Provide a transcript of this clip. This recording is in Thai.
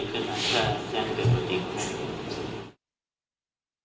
มันก็เปรียบแมนต์ปิดให้ลงจริงจนที่มันได้ลงจริงมานาน